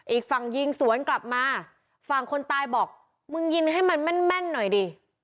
อีกฝั่งยิงสวนกลับมาฝั่งคนตายบอกมึงยิงให้มันแม่นแม่นหน่อยดิ